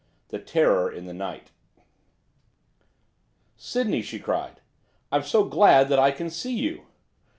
THE TERROR IN THE NIGHT 'Sydney!' she cried, 'I'm so glad that I can see you!